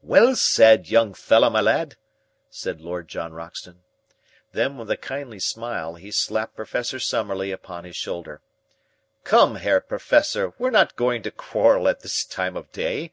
"Well said, young fellah my lad," said Lord John Roxton. Then, with a kindly smile, he slapped Professor Summerlee upon his shoulder. "Come, Herr Professor, we're not going to quarrel at this time of day.